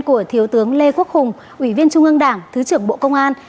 của thiếu tướng lê quốc hùng ủy viên trung ương đảng thứ trưởng bộ công an